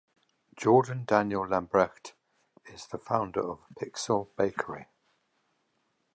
Jordan Daniel Lambrecht is the founder of Pixel Bakery.